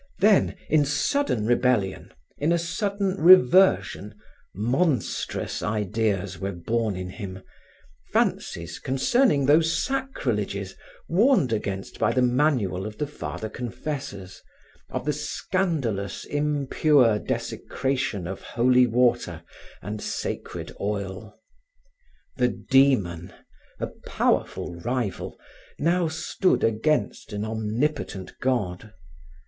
Then, in sudden rebellion, in a sudden reversion, monstrous ideas were born in him, fancies concerning those sacrileges warned against by the manual of the Father confessors, of the scandalous, impure desecration of holy water and sacred oil. The Demon, a powerful rival, now stood against an omnipotent God.